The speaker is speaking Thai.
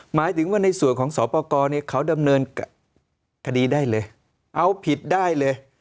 หมายถึงว่าในส่วนของสอบประกอบเนี่ยเขาดำเนินคดีได้เลยเอาผิดได้เลย